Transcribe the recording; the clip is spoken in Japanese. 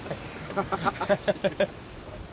ハハハハ。